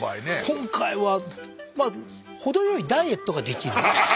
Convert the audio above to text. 今回はまあ程よいダイエットができる。